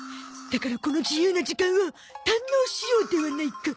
だからこの自由な時間を堪能しようではないか！